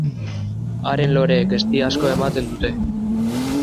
Haren loreek ezti asko ematen dute.